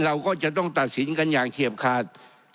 เราก็จะต้องตัดสินกันอย่างเฉียบขาด